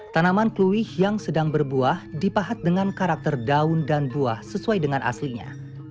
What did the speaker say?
tanaman kluwih yang sedang berbuah dipahat dengan karakter daun dan buah sesuai dengan aslinya